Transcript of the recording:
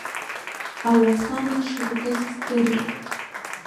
Ауахуама шаркыз здырит.